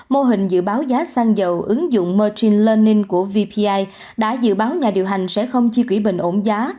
mô hình dự báo giá xăng dầu ứng dụng martine learning của vpi đã dự báo nhà điều hành sẽ không chi quỹ bình ổn giá